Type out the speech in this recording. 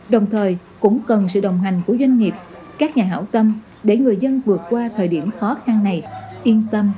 đồng thời cũng cần sự đồng hành của doanh nghiệp các nhà hảo tâm để người dân vượt qua thời điểm khó khăn này yên tâm ở yên tại chỗ để chống dịch